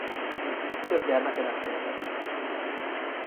Több gyermeke nem született.